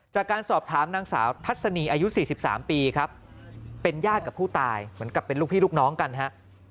จากการสอบถามนางสาวทัศนีอายุ๔๓ปีครับเป็นญาติกับผู้ตายเหมือนกับเป็นลูกพี่ลูกน้องกันฮะ